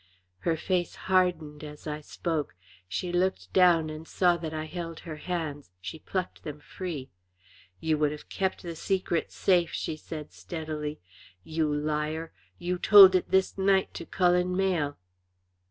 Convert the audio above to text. Her face hardened as I spoke. She looked down and saw that I held her hands; she plucked them free. "You would have kept the secret safe," she said, steadily. "You liar! You told it this night to Cullen Mayle."